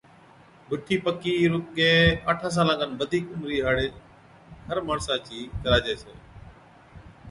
بُٺِي پڪِي رُگَي آٺان سالان کن بڌِيڪ عمرِي ھاڙي ھر ماڻسا چِي ڪراجَي ڇَي